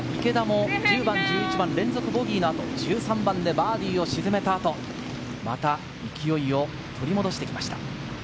ただ池田も１０番、１１番、連続ボギーのあと、１３番でバーディーを沈めた後、また勢いを取り戻してきました。